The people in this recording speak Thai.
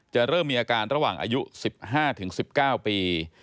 เริ่มมีอาการระหว่างอายุ๑๕๑๙ปี